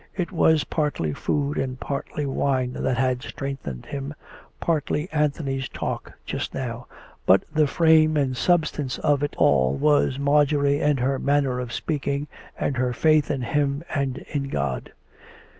It was partly food and wine that had strengthened him, partly Anthony's talk just now; but the frame and substance of it all was Marjorie and her manner of speaking, and her faith in him and in God.